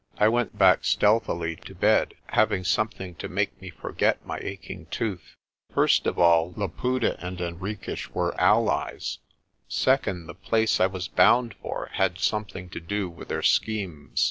I went back stealthily to bed, having something to make me forget my aching tooth. First of all, Laputa and 34 PRESTER JOHN Henriques were allies. Second, the place I was bound for had something to do with their schemes.